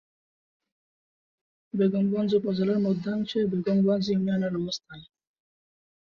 বেগমগঞ্জ উপজেলার মধ্যাংশে বেগমগঞ্জ ইউনিয়নের অবস্থান।